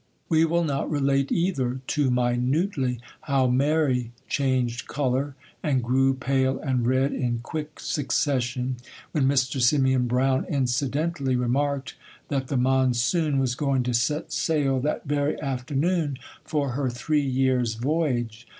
We will not relate, either, too minutely, how Mary changed colour and grew pale and red in quick succession, when Mr. Simeon Brown incidentally remarked that the 'Monsoon' was going to set sail that very afternoon for her three years' voyage.